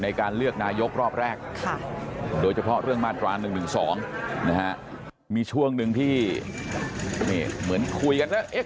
ในการเลือกนายกรอบแรกโดยเฉพาะเรื่องมาตรา๑๑๒นะฮะมีช่วงหนึ่งที่เหมือนคุยกันแล้ว